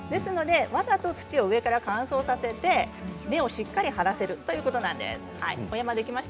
わざと土を上から乾燥させて根をしっかりと張らせるということなんです。